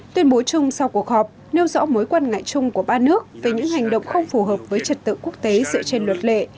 tuyên bố chung sau cuộc họp nêu rõ mối quan ngại chung của ba nước về những hành động không phù hợp với trật tự quốc tế dựa trên luật lệ